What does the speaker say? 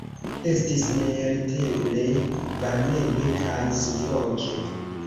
Estis neelteneble varmege kaj sufoke.